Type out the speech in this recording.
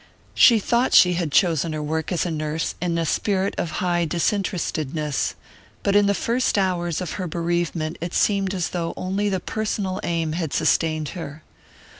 She thought she had chosen her work as a nurse in a spirit of high disinterestedness; but in the first hours of her bereavement it seemed as though only the personal aim had sustained her.